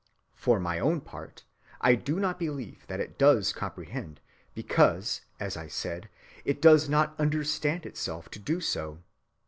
For my own part, I do not believe that it does comprehend, because, as I said, it does not understand itself to do so.